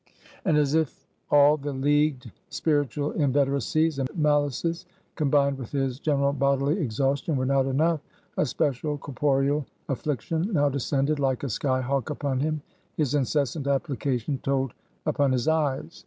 And as if all the leagued spiritual inveteracies and malices, combined with his general bodily exhaustion, were not enough, a special corporeal affliction now descended like a sky hawk upon him. His incessant application told upon his eyes.